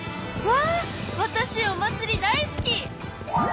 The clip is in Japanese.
わたしお祭り大好き！